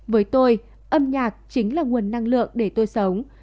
với tôi âm nhạc chính là nguồn năng lượng để tôi sống